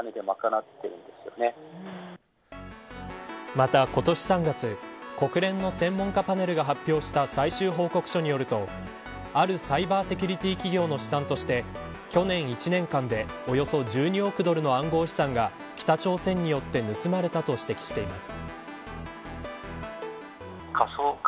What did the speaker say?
また、今年３月国連の専門家パネルが発表した最終報告書によるとあるサイバーセキュリティ企業の試算として去年１年間でおよそ１２億ドルの暗号資産が北朝鮮によって盗まれたと指摘しています。